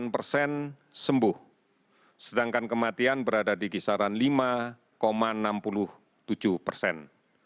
tiga puluh lima delapan persen sembuh sedangkan kematian berada di kisaran lima enam puluh tujuh persen